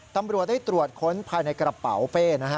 ตำรวจได้ตรวจค้นภายในกระเป๋าเป้นะฮะ